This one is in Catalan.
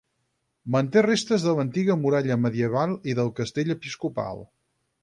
Manté restes de l'antiga muralla medieval i del castell episcopal.